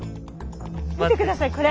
見て下さいこれ。